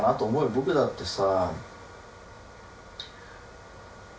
僕だってさ。